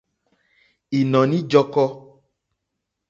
Ìnɔ̀ní ǃjɔ́kɔ́.